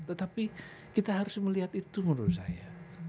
tetapi kita harus melihat itu menurut saya